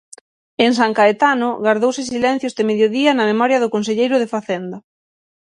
En San Caetano, gardouse silencio este mediodía na memoria do conselleiro de Facenda.